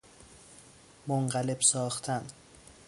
منقلب ساختن